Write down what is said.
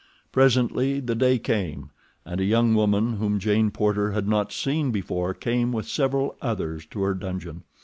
Presently the day came, and a young woman whom Jane Porter had not seen before came with several others to her dungeon.